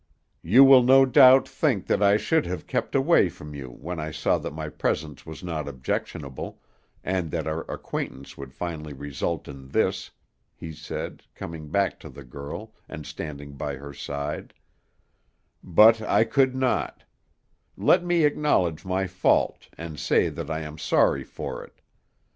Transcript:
"You will no doubt think that I should have kept away from you when I saw that my presence was not objectionable, and that our acquaintance would finally result in this," he said, coming back to the girl, and standing by her side, "but I could not; let me acknowledge my fault, and say that I am sorry for it.